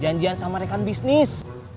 janjian sama rekan bisnis